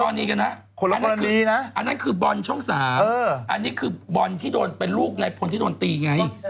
โดนนี้แกนะอันนั้นคือบอลช่องสามอันนี้คือบอลที่โดนเป็นลูกในปนที่โดนตีไง